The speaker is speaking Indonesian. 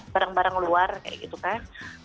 barang barang luar kayak gitu kan